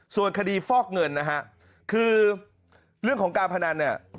ส่วนคดีฟอกเงินคือเรื่องของการพนัน